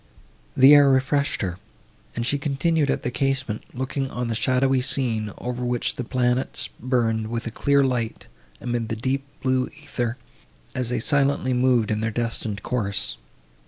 The air refreshed her, and she continued at the casement, looking on the shadowy scene, over which the planets burned with a clear light, amid the deep blue æther, as they silently moved in their destined course.